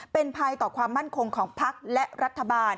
เป็นภัยต่อความมั่นคงของพักและรัฐบาล